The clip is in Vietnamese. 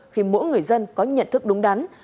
khi mỗi người dân có nhận thức đúng đắn